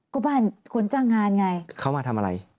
ก็บ้านคนจ้างงานไงเขามาทำอะไร